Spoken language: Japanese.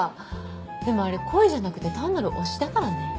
でもあれ恋じゃなくて単なる推しだからね。